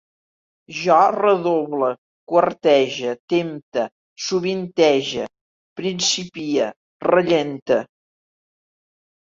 Jo redoble, quartege, tempte, sovintege, principie, rellente